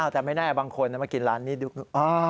แต่ไม่แน่บางคนมากินร้านนี้ดู